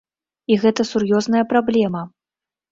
І гэта сур'ёзная праблема.